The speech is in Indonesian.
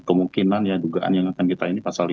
kemungkinan ya dugaan yang akan kita ini pasal lima